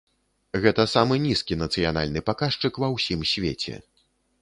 Гэта самы нізкі нацыянальны паказчык ва ўсім свеце.